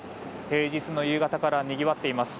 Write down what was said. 平日の夕方からにぎわっています。